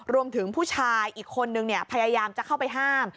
รวมถึงผู้ชายอีกคนนึงพยายามจะเข้าไปห้าม